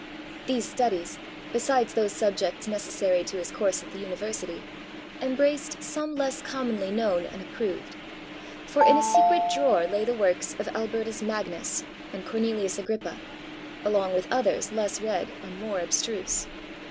These studies, besides those subjects necessary to his course at the University, embraced some less commonly known and approved; for in a secret drawer lay the works of Albertus Magnus and Cornelius Agrippa, along with others less read and more abstruse.